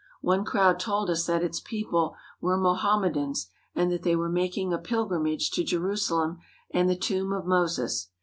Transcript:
One crowd told us that its people were Mohammedans, and that they were making a pilgrimage to Jerusalem and the tomb of Moses.